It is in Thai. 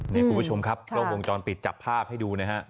นี่คุณผู้ชมครับกล้องวงจรปิดจับภาพให้ดูนะฮะ